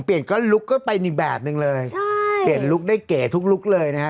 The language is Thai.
เปลี่ยนก็ลุคก็เป็นอีกแบบนึงเลยใช่เปลี่ยนลุคได้เก๋ทุกลุคเลยนะฮะ